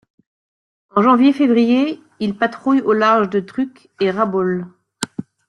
En janvier-février, il patrouille au large de Truk et Rabaul.